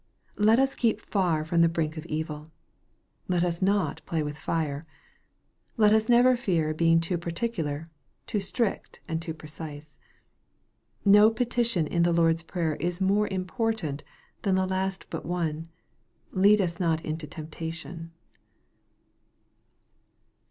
Let us keep far from the brink of evil. Let us not play with fire. Let us never fear being too particular, too strict, and too precise. No petition in the Lord's prayer is more important than the last but one, " Lead us not into temptation."